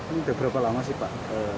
ini udah berapa lama sih pak